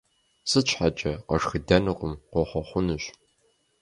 Сыт щхьэкӀэ? Къошхыдэнукъым, къохъуэхъунущ.